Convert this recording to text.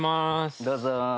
どうぞ。